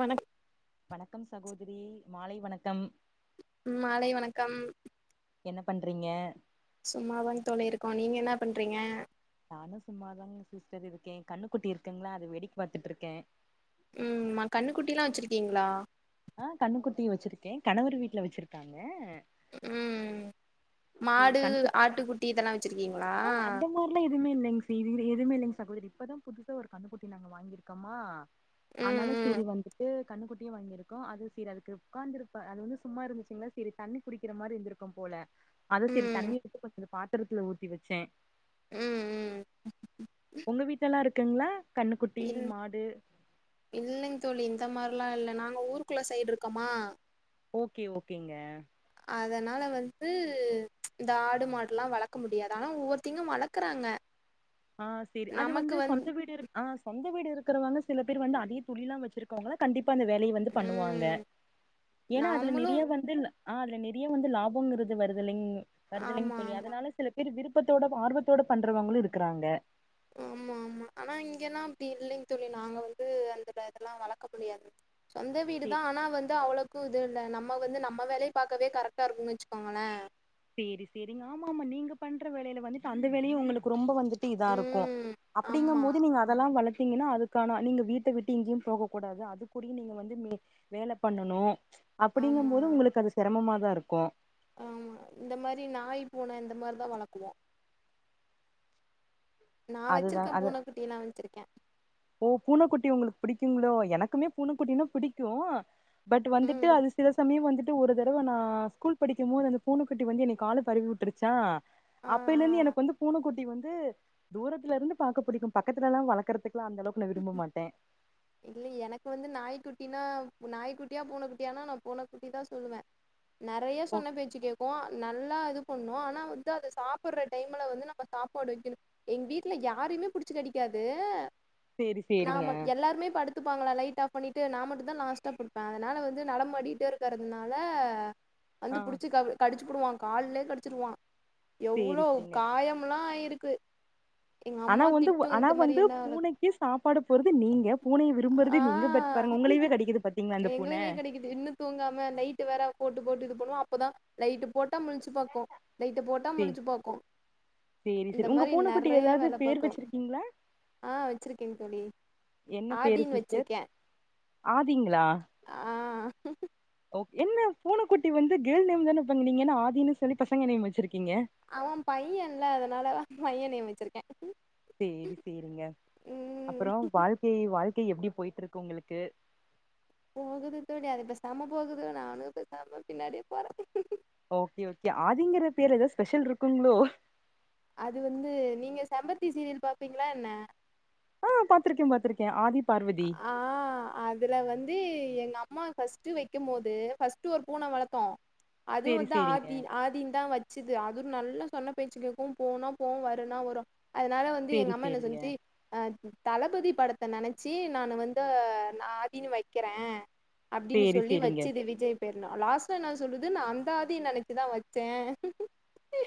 வணக் வணக்கம் சகோதிரி மாலை வணக்கம் ம் மாலை வணக்கம் என்ன பண்றீங்க சும்மாதாங் தோழி இருக்கோ நீங்க என்ன பண்றீங்க நானு சும்மாதாங்க சிஸ்டர் இருக்கே கண்ணுக்குட்டி இருக்குங்ளா அத வெடிக் பாத்துட்ருக்கே ம் மா கண்ணுக்குட்டிலா வச்சுருக்கீங்ளா ஆ கண்ணுக்குட்டி வச்சிருக்கே கணவர் வீட்ல வச்சிருக்காங்க ம் சேரி மாடு கண்ணுக்குட் ஆட்டுக்குட்டி இதெல்லா வச்சிருக்கீங்ளா மார்ல எதுவுமே இல்லிங் சி இதுல எதுமே இல்லைங் சகோதரி இப்பதா புதுசா ஒரு கண்ணுக்குட்டி நாங்க வாங்கிருக்கமா ம் ஆனால ம் செரி வந்துட்டு கண்ணுக்குட்டியு வாங்கிருக்கோ அது செரி அதுக்கு உட்காந்துருப்ப அது வந்து சும்மா இருந்துச்சுங்ளா செரி தண்ணி குடிக்ற மாரி இருந்திருக்கு போல அது சரி ம் தண்ணி எடுத்து கொஞ்ச பாத்திரத்துல ஊத்தி வெச்சே ம் ம் உங்க வீட்லலா இருக்குங்ளா கண்ணுக்குட்டி மாடு இல்லங் தோழி இந்த மார்லா இல்ல நாங்க ஊருக்குள்ள சைடு இருக்கம்மா ஓகே ஓகேங்க அதனால வந்து இந்த ஆடு மாடுல்லா வளக்க முடியாது ஆனா ஒவ்வொருத்திங்க வளக்கறாங்க ஆ சேரி அது நமக்கு வந்து வந் சொந்த வீடு இருக் ஆ சொந்த வீடு இருக்கிறவங்க சில பேர் வந்து அதே துல்லா வச்சிரு கோங்களா கண்டிப்பா அந்த வேலைய வந்து பண்ணுவாங்க ம் ஏன்னா அதுல நாமளு நெறைய வந்து ஆ அதுல நெறைய வந்து லாபம்ங்கறது வருதலிங் வருதலிங் ஆமா தோழி ஆமா அதனால சில விரு விருப்பத்தோட ஆர்வத்தோட பண்றவங்களு இருக்கறாங்க ஆமா ஆமா ஆனா இங்கல்லா அப்டி இல்லிங் தோழி நாங்க வந்து அந்த டாக்லா வளக்க முடியாது சொந்த வீடு சே தா ஆனா வந்து அவளக் து இது இல்ல நம்ம வந்து நம்ம வேலய பாக்கவே கரெக்டா இருக்குன் வச்சுக்கோங்களே சேரி சேரிங்க ஆமா ஆமா நீங்க பண்ற வேலையில வந்துட்டு அந்த வேலையு உங்களுக்கு ரொம்ப வந்து டி இதா இருக்கு ம் அப்டிங்கும் ஆமா போது நீங்க அதெல்லா வளத்தீங்கன்னா அது கான நீங்க வீட்ட விட்டு இங்கியும் போக கூடாது அதுக்குடியு நீங்க வந்து மே வேல பண்ணனு அப்படிங்கும் ஆமா போது உங்களுக்கு அது சிரமமாதா இருக்கு ஆமா இந்த மாரி நாய் பூன இந்த மாரி தா வளக்குவோ நா அதுதா வச்சிருக்கே அது பூனக்குட்டி நா வச்சிருக்க ஓ பூனக்குட்டி உங்களுக் புடிக்குங்ளோ எனக்குமே பூனக்குட்டினா புடிக்கு பட் வந்துட்டு ம் அது சில சமயம் வந்துட் டு ஒரு தடவ நா ஸ்கூல் படிக்கும் போது அந்த பூன கட்டி வந்து என்னை கால்ல பரவி உட்டுருச்சா ஆ அப்பைல இருந்து ஆ எனக் வந்து பூனக்குட்டி வந்து தூரத்துல இருந்து பாக்க புடிக்கும் பக்கத்துலலா வளக்கறதுக் லா அந்த அளவுக் நா விரும்ப மாட்டே இல்ல எனக்கு வந்து நாய்க்குட்டினா நாய்க்குட்டியா பூனக்குட்டியானா நா பூனக்குட்டி தா சொல்லுவே நெறைய சொன்ன பேச்சு கேக்கு நல்லா இது பண்ணு ஆனா வந்து அத சாப்பற்ற டைம்ல வந்து நம்ம சாப்பாடு வெக்கணு எங் வீட்ல யாரிமே புடிச்சு கடிக்காது சேரி சேரிங்க நாம எல்லாருமே படுத் துப்பாங்களா லைட் ஆஃப் பண்ணிட்டு நா மட்டு தா லாஸ்ட்டா படுப்பே அதனால வந்து நடமாடிட்டே இருக்கிறதுனால வந்து ஆ புடிச்சு க கடிச்சு புடுவா கால்லே கடிச்சுடுவா சேரி எவ்ளோ சேரிங்க காயம்ல்லா ஆயிருக்கு எங்க ஆனா அம்மா வந்து திட்டு ஆனா இந்த மாரி வந்து என்ன வள பூனைக்கு சாப்பாடு போறது நீங்க பூனைய ஆ விரும்புறது நீங்க பட் பாருங்க உங்களேயவே கடிக்குது பாத்தீங்களா அந்த பூன எங்களுமே கடிக்குது இன்னு தூங்காம லைட்டு வேற போட்டு போட்டு இது பண்ணுவோ அப்பதா லைட்டு போட்டா முழிச்சு பாக்கு லைட்டு போட்டா சே முழிச்சி பாக்கு சேரி இந்த சேரி உங்க மாரி பூனைக்குட்டி நெறைய ஏதாவது வேல பேர் பாக்கு வச்சிருக்கீங்களா ஆ வச்சிருக்கேன் தோழி என்ன பேரு ஆதின்னு சிஸ்டர் வச்சிருக்கே ஆதிங்ளா ஆ ஓகே என்ன பூனக்குட்டி வந்து கேள் நேம் தானே வெப்பாங் நீங்க என்ன ஆதின்னு சொல்லி பசங்க நேம் வச்சிருக்கீங்க அவ பையன்ல அதனாலதா பையன் நேம் வச்சிருக்கே சேரி சேரிங்க ம் அப்புறோ வாழ்க்கை வாழ்க்கை எப்டி போயிட்ருக்கு உங்களுக்கு போகுது தோழி அது பேசாம போகுது நானு இப்ப பேசாம பின்னாடியே போற ஓகே ஓகே ஆதிங்குற பேர்ல ஏதோ ஸ்பெஷல் இருக்குங்ளோ அது வந்து நீங்க செம்பருத்தி சீரியல் பார்ப்பீங்களா என்ன ஆ பாத்திருக்க பாத்திருக்க ஆதி பார்வதி ஆ அதுல வந்து எங்க அம்மா ஃபஸ்ட்டு வைக்கும் போது ஃபர்ஸ்ட்டு ஒரு பூன வளத்தோ அது சேரி வந்து சேரிங்க ஆதி ஆ தி தா வச்சுது அது நல்லா சொன்ன பேச்சு கேக்கும் போனா போவு வருனா வரு அதுனால வந்து சேரி எங்க அம்மா என்ன சேரிங்க சொன்னிச்சு அ தளபதி படத்த நெனச் சி நா வந்து ஆதினு வைக்குற அப்டின்னு சேரி சொல்லி சேரிங்க வச்சுது விஜய் பெருன்னா லாஸ்ட்ல என்னா சொல்லுது நா அந்த ஆதிய நெனைச்சுதா வச்ச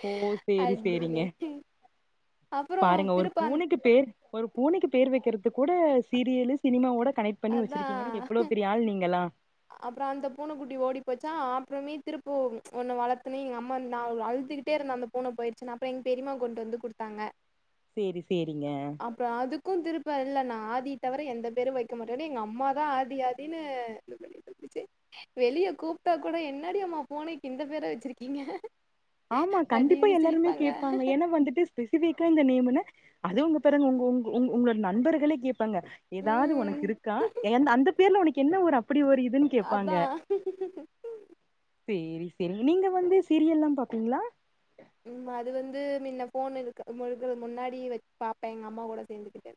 ஓ சேரி சேரிங்க அப்டின்னு பாருங்க ஒரு பூனைக்கு பேர் ஒரு பூனைக்கு பேர் வைக்கறது கூட சீரியலு சினிமாவோட கனேக்ட் பண்ணி வச்சிருக்கீங்கன்னா எவ்ளோ பெரிய ஆள் நீங்களா அப்பற அந்த பூனைக்குட்டி ஓடி போச்சா அப்பறமே திருப்பூ ஒன்னு வளத்தோன்னே எங்க அம்மா நா அழுதுக்கிட்டே இருந்த அந்த பூன போயிடுச்சுனு அப்பற எங்க பெரிமா கொண்டு வந்து கொடுத்தாங்க சேரி சேரிங்க அப்பற அதுக்கும் திருப்ப இல்ல நா ஆதி தவிர எந்த பேரு வைக்க மாட்டன்னு எங்க அம்மாதா ஆதி ஆதின்னு விஐய் வெளிய கூப்பிட்டா கூட என்னாடி அம்மா பூனைக்கு இந்த பேர வச்சிருக்கீங்க ஆமா கண்டிப்பா அப்டின்னு எல்லாருமே சிரிப்பாங்க கேட்பாங்க ஏன்னா வந்துட்டு பேசிவிக்கா இந்த நேம்னு அது உ உங்க உங்க பாருங்க உங்களோட நண்பர்களே கேட் கேப்பாங்க ஏதாவது ம் உனக்கு இருக்கா ஏ அந்த பேர்ல உனக்கு என்ன ஒரு அப் அப்படி ஒரு இதுன்னு கேட்பாங்க அதா சேரி சேரி நீங்க வந்து சீரியல்லா பார்ப்பீங்களா ம் அது வந்து முன்ன போனதுக்கு முழுக்க முன்னாடி வை பார்ப்ப எங்க அம்மாவுட சேர்ந்துக்கிட்டு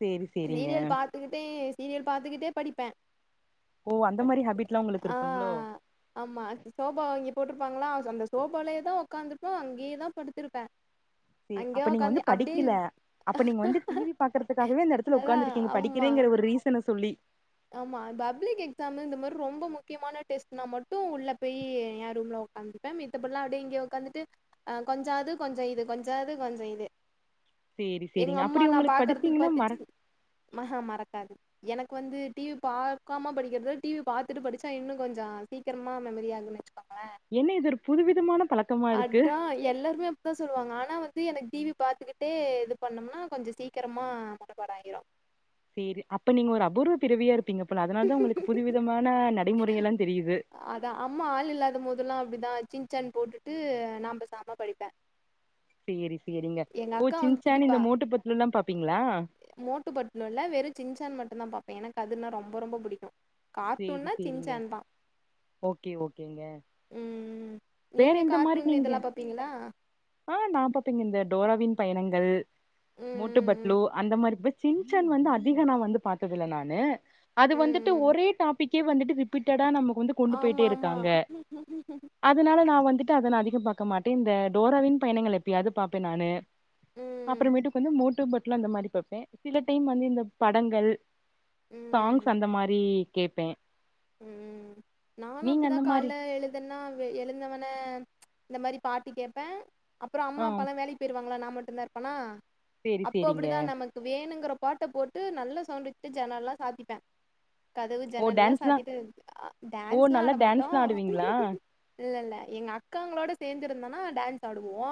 சேரி சேரிங்க சீரியல் பார்த்துக்கிட்டே சீரியல் பார்த்துக்கிட்டே படிப்ப ஓ அந்த மாரி ஹேபிட்ல்லா உங்களுக்கு இருக்குங்களோ ஆமா சோபா வாங்கி போட்டிருப்பாங்களா அந்த சோபாலயே தா உ உகாந்துருப்ப அங்கேயேதா படுத்திருப்ப செ அப்ப நீங்க வந்து படிக்குல்ல அப்ப நீங்க வந்து டிவி பாக்குறதுக்காகவே இந்த இடத்துல அதா உகாந்துருக்கீங்க ஆமா படிக்கிறங்கிற ஒரு ரீசன்ன சொல்லி ஆமா பப்ளிக் எக்ஸாம்மு இந்த மாரி ரொம்ப முக்கியமான டெஸ்ட்னா மட்டும் உள்ள போய் எய ரூம்ல உகாந்து இருப்ப மித்தபடில்லா அப்டியே இங்கே உக்காந்துட்டு கொஞ்ச அது கொஞ்ச இது கொஞ்ச அது கொஞ்ச இது சேரி எங்க சேரிங்க அம்மா அப்படி நா உங்களுக்கு பார்க்கறதுக்கு படிச்சீங்கன்னா மற பாத்துச்சு அஹ மறக்காது எனக்கு வந்து டிவி பார்க்காம படிக்கிறத டிவி பார்த்தட்டு படிச்சா இன்னு கொஞ்ச சீக்கிரமா மெமரி ஆகிரு வச்சுகோங்கள என்ன இது ஒரு புது விதமான பழக் அதா எல்லாருமே அப்டிதா சொல்லுவாங்க ஆனா வந்து எனக்கு டிவி பாத்துகிட்டே இது பண்ணோம்னா கொஞ்ச சீக்கரமா மனபாட ஆகிரு சேரி அப்ப நீங்க ஒரு அபூர்வ பிறவியா இருப்பீங்க போல அதனால தா உங்களுக்கு புது விதமான நடைமுறை எல்லா தெரியுது அதா அம்மா ஆள் இல்லாத மோதுல்லா அப்டிதா சின் சன் போட்டுட்டு நா பேசாம படிப்ப சேரி சேரிங்க ஓ அக்கா வந்து சின்ச்சான்ி திட்டிப்பா இந்த மூட்டு பட்டுல்லுலா பாப்பீங்களா மோட்டு பட்டுலு இல்ல வெறு சின்சான் மட்டும்்தா பா்ப்ப எனக்கு அதுனா ரொம்ப ரொம்ப புடிக்கும் சேரி கார்ட்டுன்னா சேரிங்க சின்சன் தா ஓகே ஓகேங்க ம் ம் வேற நீங்க எந்த மாரி கார்ட்டுனு நீங்க இதல்லா பார்ப்பீங்களா ஆ நா பார்ப்பங்க இந்த டோராவின் பயணங்கள் ம் மேட்டுபட் ம் லோ அந்த மாரிபே சின்சேன் வந்து அதிக நா வந்து பாத்தது இல்ல நானு அது ம் வந்துட்டு ம் ஒரே டாப் பிக்கே வந்துட்டு ரிப்பீட்டடா நம்ம வந்து கொண்டு போயிட்டே ஆமா ஆமா இருக்காங்க ம் அதுனால நா வந்துட்டு அத நா அதிகம் பாக்க மாட்டே இந்த டோராவின் பயணங்கள் எப்பயாது பாப்பே நானு அப்புறமேட்டு கொஞ்சம் மோட்டு பட்டுலு அந்த மாரி பாப்பே சில டைம் வந்து இந்த படங்கள் சாங்ஸ் ம் அந்த மாரி கேட்பே ம் நானு அப்டிதா அந்த மாரி கால எழு இதனா வே எழுந்தவன இந்த மாரி பாட்டு கேட்ப அப்ரோ அம்மா ஆ அப்பாலா வேலைக் பெருவாங்களா நா மட்டு தா இருப்பனா சேரி அப்போ சேரிங்க அப்டிதா நமக் கு வேணுங்குற பாட்ட போட்டு நல்ல சவுண்டு வைச்சி ஜன்னல்லா சாதிப்ப கதவு ஓ ஜன்னல்லா டான்ஸ்லா சாத்திட்டு ஆ ஓ டான்ஸ்லா நல்லா ஆட மாட்டோ டான்ஸ்லா ஆடுவீங்களா இல்ல இல்ல எங்க அக்காங்களோட சேர்ந்துருந்தனா டான்ஸ் ஆடுவோ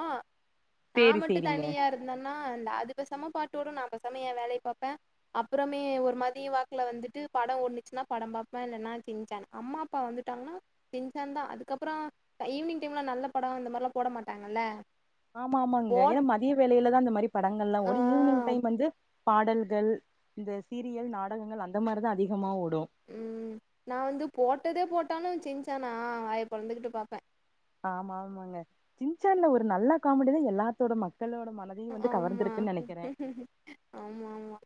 நா சேரி மட்டு சேரிங்க தனியா இருந் தனா இந்த அது பெசம பாட்டோடு நா பெசம ஏ வேலய பாப்ப அப்புறமே ஒரு மாறி வாக்குல வந்துட்டு படோ ஒடுன்ச்சின்னா படம் பாப் பே இல்ல நா சின்ச்சன அம்மா அப்பா வந்துட்டாங்னா சின்சன்தா அதுக்கப்ரோ அ ஈவினிங் டைம்ல நல்ல படோ இந்த மாதிரி போட மாட்டாங்கல்ல ஆமா ஆமாங்க ஏனா போட் மதிய வேலையிலதா இந்த மாரி படங்கள் எல்லா ஆ ஓடி ஈவினிங் டைம் வந்து பாடல்கள் இந்த சீரியல் நாடகங்கள் அந்த மாதிரிதா அதிகமா ஓடு ம் நா வந்து போட்டதே போட்டாலு சிங்சனா வாய பொழந்துக்கிட்டு பாப்ப ஆமா ஆமாங்க சின்சன்ல ஒரு நல்ல காமெடி தா எல்லாத்தோட மக்களோட மல ஆமா ஆமா ஆமா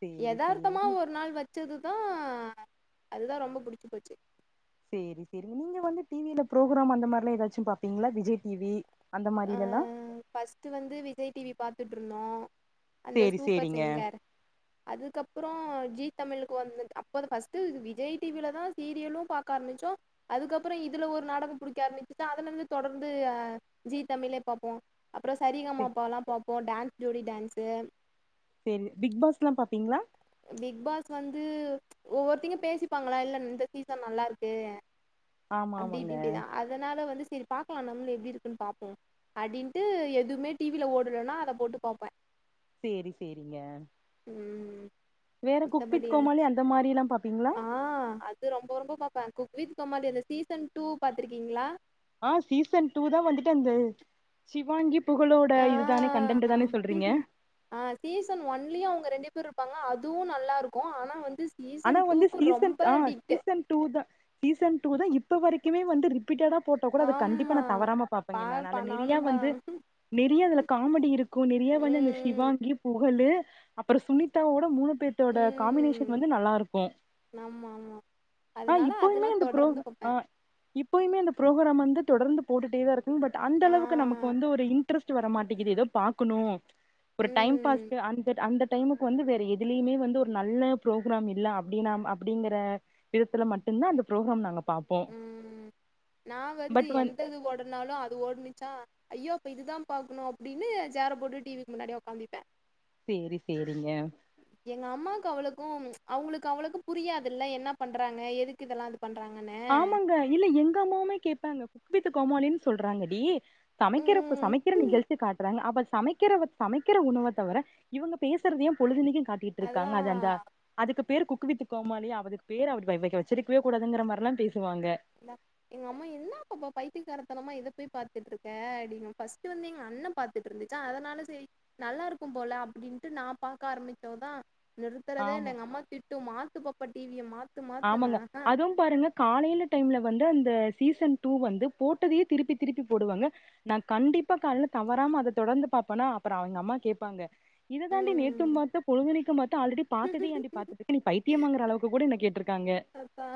சேரி சேரி யதார்த்தமா ஒரு நாள் வச்சதுதா அதுதா ரொம்ப புடிச்சி போச்சி சேரி சேரிங்க நீங்க வந்து டிவியில பரோக்ராம் அந்த மாரிலா ஏதாச்சும் பாப்பீங்ளா விஜய் டிவி அந்த மாரில எல்லா நேத்து வந்து விஜய் டிவி பாத்துட்டு இருந்தோ அந்த சேரி சூப்பர் சேரிங்க சிங்கர் அதுக்கப்ரோ ஜி தமிழுக்கு வந்து அப்போ ஃபஸ்ட்டு விஜய் டிவில தா சீரியலு பாப் காமிச்சோ அதுக்கப்ரோ இதுல ஒரு நாடகம் புடிக்க ஆரம்பிச்சி அதுல இருந்து தொடர்ந்து அ ஜி தமிழே பாப்போ அப்ரோ சரிகமா அப்பாலா பாப்போ டான்ஸ் ஜோடி டான்ஸு சேரி பிக் பாஸ் எல்லா பாப்பீங்ளா பிக் பாஸ் வந்து ஒவ்வொருத்திங்க பேசிப்பாங்களா இல்ல இந்த சீசன் நல்லா இருக்கு ஆமா அப்டி இப்டி ஆமாங்க இப்டிதா அதனால வந்து சேரி பாக்கலா நம்ளு எப்டி இருக்குன்னு பாப்போ அப்டின்டு எதுவுமே டிவியில ஓடலன்னா அத போட்டு பாப்ப செரி செரிங்க உம் மித்தபடியில்ல கோமாளி அந்த மாரிலா பாப்பீங்ளா ஆ அது து ரொம்போ ரொம்போ குக்வித் கோமாலி அந்த சீசன் டூ பாத்துருக்கீங்ளா ஆ சீசன் டூ தா வந்துட்டு அந்த சிவாங்கிப் புகழோட ஆ இதுதானே கண்டன் தானே சொல்றீங்க ஆ சீசன் ஒன்லயு அவங்க ரெண்டு பேர் இருப்பாங்க அதுவு நல்லா இருக்கு ஆனா வந்துஸ் ஆனா வந்து சீசன் ஆ சீசன் டூ தா சீசன் டூ தா இப்ப வரைக்குமே வந்து ரிப் பீட்டடா போட்டா கூட அதது கண்டிப்பா நா ஆமாம் தவறாம பாபேங்கனானு அதுல பாப்பா நல்ல நெறைய நானும் தான் வந்து நெறைய அதுல காமெடி இருக்கு நெறைய வந்து அந்த ம் சிவாங்கிப் புகழு அப்ரோ சுனிதாவோட மூணு பேத்தோட காம்பினேஷன் ம் வந் து நல்லா இருக்கு ஆமாம் ஆமாம் ஆ அதனால இப்பவுமே அதெல்லாம் அந்த புரோ தொடர்ந்து அ பார்ப்பேன் இப்பயுமே அந்த பு்ரோக்ராம் வந்து தொடர்ந்து போட்டுட்டேதா இருக்காங்க பட் அந்த அளவுக்கு நமக்கு ஆ வந்து ஒரு இன் இன்ட்ரஸ்ட் வர மாட்டேங்குது எதோ பாக்கணு ஒரு டைம் ம் பாஸ்க்கு அந்தட் அந்தட் டைமுக்கு வந்து வேற எதுலயுமே வந்து ஒரு நல்ல ப்ரோக்ராம் இல்ல அப்டின்னா அப்படிங்கிற விதத்துல மட்டுதா அந்த ப்ரோக்ராம் நாங்க பாப் ம் நா வந்து வந் எந்த இது ஓடனாலு அது ஓடுனுச் சா ஐயோ அப்ப இதுதா பாக்கணு அப்படின்னு ஜேர போட்டு டி விக்கு முன்னாடி உக்காந்துப்பே சேரி சேரிங்க எங்க அம்மாவுக்கு அவளுக்கு அவுங்களுக்கு அவளக்கு புரியாதுல்ல என்ன பண்றாங்க எதுக்கு இதெல்லா அது பண்றாங்கன்னு ஆமாங்க இல்ல எங்க அம்மாவுமே கேபாங்க குக் வித்து கோமாலின்னு சொல்றாங்கடி சமைக்கிறப்ப ம் சமைக்கிற நிகழ்ச்சி காட்றாங்க அப்ப சமைக்கிற சமைக்கிற உணவ தவிர இவுங்க பேசுறதையு பொழுதுனைக்கு அதுதா காட்டிட்டுருக்காங்க அது அந்த அதுக்கு பேர் குக்குவித்து கோமாளி அதுக்கு பேரு அப்படி வெ வ வெச்சிருக்கவே கூடாதுங்கற மாரிலா பேசுவாங்க எ எங்க அம்மா என்ன பாப்பா பைத்திக்காரத்தனமா இத போய் பாத்துட்டுருக்க அப்படிங் ஃபர்ஸ்ட் வந்து எங்க அண்ண பா த்துட்டுருந்துச்சா அதனால சேரி நல்லாருக்கும் போல அப்படின்ட்டு நா பாக்க ஆரம்பிக்கவு தா நிறுத்துறதே ஆமா இல்ல எங்க அம்மா திட்டு மாத்து பாப்பா டிவிய மாத் ஆமாங்க அதுவு துவு பாருங்க காலையில டைம்ல வந்து அந்த சீசன் டூ வந்து போட்டதையே திருப்பி திருப்பி போடுவாங்க நா கண்டிப்பா கால்ல தவறாம அத தொடர்ந்து பாப்பன்னா அப்புறே அவுங்க அம்மா கேப்பாங்க இத தாண்டி நேத்து ம் பாத்த பொழுதணைக்கு பாத்த ஆல்ரெடி பாத்ததே ஏண்டி பாத்துட்ருக்க நீ பைத்தியமாங்கற அளவுக்கு கூட என்ற கேட்ருக் க அதா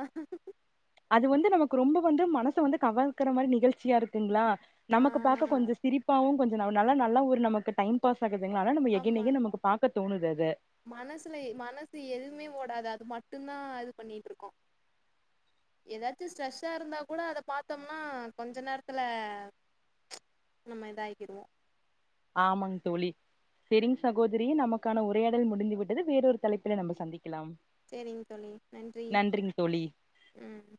அதுவு வந்து நமக்கு ரொம்ப வந்து மனச வந்து கவர்கற மாரி நிகழ்ச்சியா இருக்குங்களா ஆ நமக்கு பாக்க கொஞ்ச சிரிப்பாவு கொஞ்ச நல்லா நல்லா ஒரு நமக்கு டைம் பாஸ்சாகுதுங்களா நம்ம எகைன் ஆமா எகைன் நமக்கு பாக்க தோணுது அத மனசுல மனசு எதுவுமே ஓடாது அது மட்டுதா அது பண்ணிட்ருக்கோ எதாச்சு ஸ்ட்ரெஸ்ஷா இருந்தா கூட அத பாத்தோம்னா கொஞ்ச நேரத்துல நம்ம இதாகிருவோ ஆமாங் தோழி செரிங் சகோதரியே நமக்கான உரையாடல் முடிந்து விட்டது வேறோரு தலைப்புல நம்ம சந்திக்கலா சேரிங்க தோழி நன்றி தோழி ம்